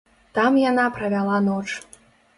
Там яна правяла ноч.